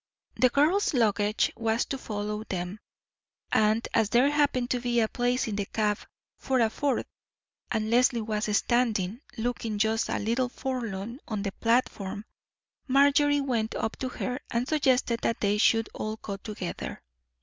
The girls' luggage was to follow them; and as there happened to be a place in the cab for a fourth, and Leslie was standing, looking just a little forlorn, on the platform, Marjorie went up to her and suggested that they should all go together.